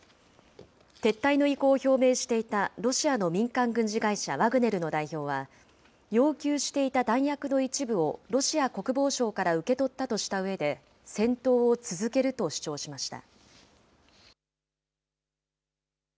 撤退の意向を表明していたロシアの民間軍事会社、ワグネルの代表は、要求していた弾薬の一部を、ロシア国防省から受け取ったとしたうえで、戦闘を続けると主張しました。